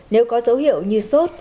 nếu có dấu hiệu như sốt